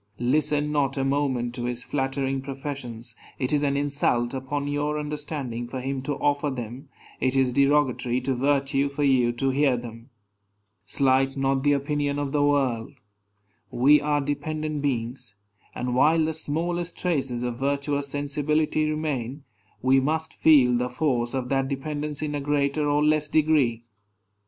Listen not a moment to his flattering professions; it is an insult upon your understanding for him to offer them; it is derogatory to virtue for you to hear them. Slight not the opinion of the world. We are dependent beings; and while the smallest traces of virtuous sensibility remain, we must feel the force of that dependence in a greater or less degree.